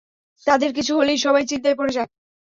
তাদের কিছু হলেই সবাই চিন্তায় পড়ে যায়।